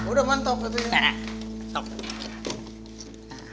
sudah mantap abah